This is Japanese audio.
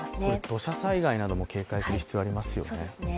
土砂災害なども警戒する必要がありますよね。